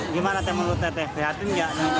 gimana teman teman prihatin gak